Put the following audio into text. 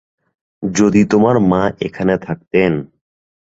যদি তোমার মা এখানে থাকতেন।